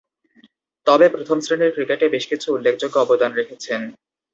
তবে, প্রথম-শ্রেণীর ক্রিকেটে বেশকিছু উল্লেখযোগ্য অবদান রেখেছেন।